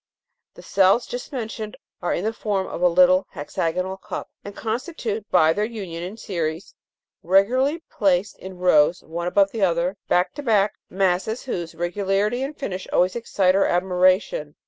The cells just mentioned are in form of a little hexagonal cup, and constitute by their union in series, regularly placed in rows one above the other, back to back, masses whose regularity and finish always excite our admiration (Jig.